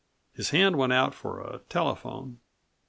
His hand went out for a telephone.